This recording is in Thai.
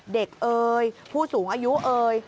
เอ่ยผู้สูงอายุเอ่ย